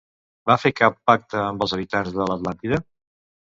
Va fer cap pacte amb els habitants de l'Atlàntida?